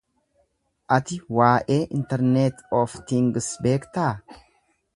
Ati waa'ee 'Internet of Things' beektaa?